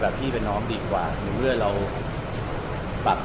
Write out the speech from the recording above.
การผลการคอนนี้ผลการจริงคือยังไหม